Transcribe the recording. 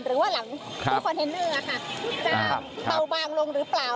หรือว่าหลังตู้คอนเทนเนอร์จะเบาบางลงหรือเปล่า